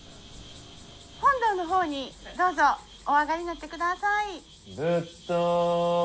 本堂の方にどうぞお上がりになって下さい。